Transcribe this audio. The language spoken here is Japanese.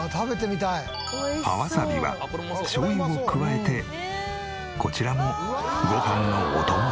葉ワサビはしょうゆを加えてこちらもご飯のお供に。